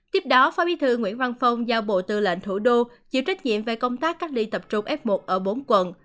tiếp đó phó bí thư nguyễn văn phong giao bộ tư lệnh thủ đô chịu trách nhiệm về công tác cách ly tập trung f một ở bốn quận